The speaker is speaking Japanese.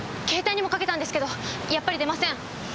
携帯にもかけたんですけどやっぱり出ません。